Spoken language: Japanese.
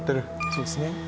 そうですね。